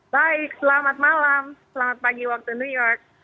baik selamat malam selamat pagi waktu new york